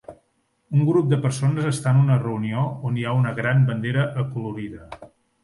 Un grup de persones està en una reunió on hi ha una gran bandera acolorida